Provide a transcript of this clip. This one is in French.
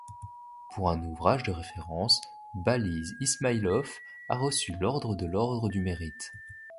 Pour un ouvrage de référence Balises Ismailov a reçu l'Ordre de l'Ordre du Mérite.